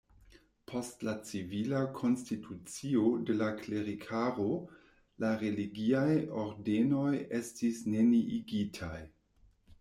Post la civila konstitucio de la klerikaro, la religiaj ordenoj estis neniigitaj.